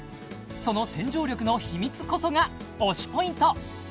その洗浄力の秘密こそが推しＰｏｉｎｔ！